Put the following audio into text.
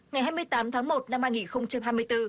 ngày hai mươi tám tháng một năm hai nghìn hai mươi bốn